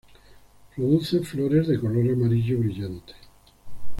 Produce flores de color amarillo brillante.